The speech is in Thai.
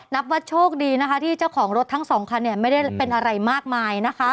นับว่าโชคดีนะคะที่เจ้าของรถทั้งสองคันเนี่ยไม่ได้เป็นอะไรมากมายนะคะ